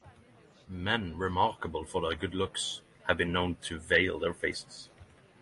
Men remarkable for their good looks have been known to veil their faces.